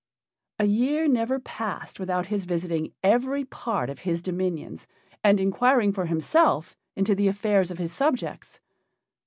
A year never passed without his visiting every part of his dominions and inquiring for himself into the affairs of his subjects.